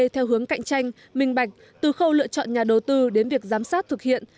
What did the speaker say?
theo hướng cạnh tranh minh bạch từ khâu lựa chọn nhà đầu tư đến việc giám sát thực hiện